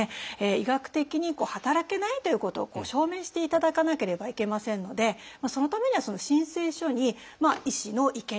医学的に働けないということを証明していただかなければいけませんのでそのためには申請書に医師の意見書とそういうのを書く欄があります。